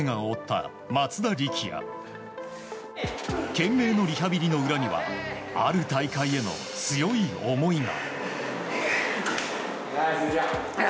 懸命のリハビリの裏にはある大会への強い思いが。